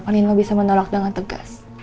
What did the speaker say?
pak nino bisa menolak dengan tegas